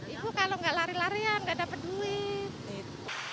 itu kalau nggak lari larian nggak dapat duit